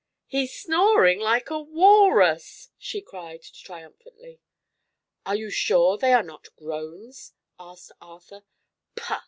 "He's snoring like a walrus!" she cried triumphantly. "Are you sure they are not groans?" asked Arthur. "Pah!